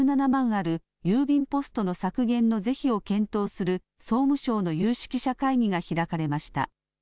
ある郵便ポストの削減の是非を検討する総務省の有識者会議が開かれました。